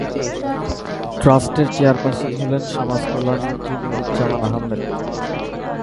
ট্রাস্টের চেয়ারপার্সন হলেন সমাজ কল্যাণ মন্ত্রী নুরুজ্জামান আহমেদ।